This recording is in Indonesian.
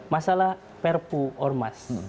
masalah perpu ormas